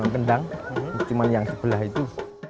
benda yang sebelah itu